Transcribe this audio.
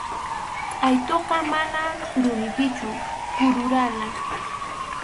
Qʼaytutaqa mana rumipichu kururana.